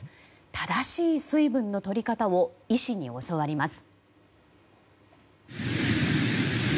正しい水分の取り方を医師に教わります。